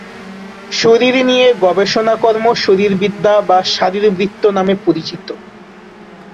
শরীর নিয়ে গবেষণাকর্ম শারীরবিদ্যা বা শারীরবৃত্ত নামে পরিচিত।